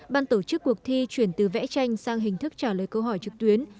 ban tổ chức cuộc thi chuyển từ vẽ tranh sang hình thức trả lời câu hỏi trực tuyến